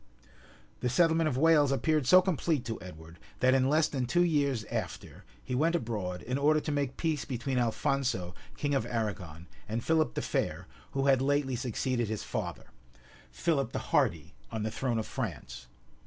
} The settlement of Wales appeared so complete to Edward, that in less than two years after, he went abroad, in order to make peace between Alphonso, king of Arragon, and Philip the Fair, who had lately succeeded his father, Philip the Hardy, on the throne of France.